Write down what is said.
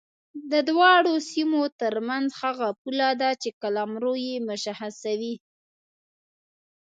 د دواړو سیمو ترمنځ هغه پوله ده چې قلمرو یې مشخصوي.